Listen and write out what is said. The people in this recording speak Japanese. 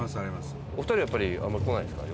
お二人はやっぱりあんまり来ないですか？